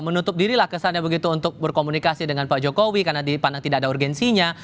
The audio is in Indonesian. menutup dirilah kesannya begitu untuk berkomunikasi dengan pak jokowi karena dipandang tidak ada urgensinya